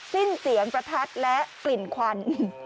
สิ้นเสียงประทัดและกลิ่นควัน